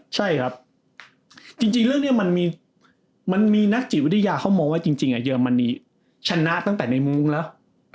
ใช่ครับจริงเรื่องนี้มันมีนักจิตวิทยาเขามองว่าจริงเยอรมนีชนะตั้งแต่ในมุ้งแล้ว